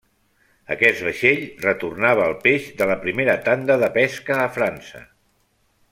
Aquest vaixell retornava el peix de la primera tanda de pesca a França.